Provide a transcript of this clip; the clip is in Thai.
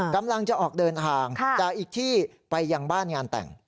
กำลังจะออกเดินทางจากอีกที่ไปยังบ้านงานแต่ง